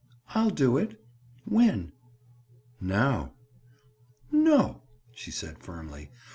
"I'll do it. When?" "Now." "No," she said firmly.